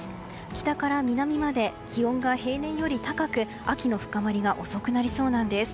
北から南まで気温が平年より高く秋の深まりが遅くなりそうなんです。